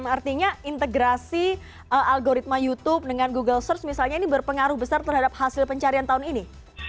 artinya integrasi algoritma youtube dengan google search misalnya ini berpengaruh besar terhadap hasil pencarian tahun ini